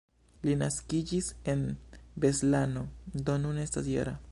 Li naskiĝis en Beslano, do nun estas -jara.